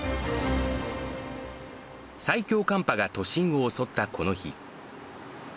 最強寒波が都心を襲ったこの日。